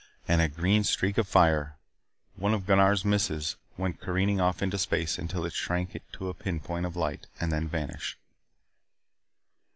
And a green streak of fire one of Gunnar's misses went careening off into space until it shrank to a pinpoint of light and then vanished.